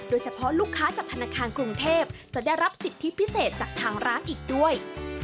โดยเฉพาะลูกค้าจากธนาคารกรุงเทพจะได้รับสิทธิพิเศษจากทางร้านอีกด้วย